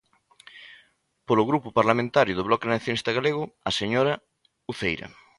Polo Grupo Parlamentario do Bloque Nacionalista Galego, a señora Uceira.